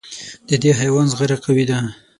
د دې حیوان زغره قوي ده.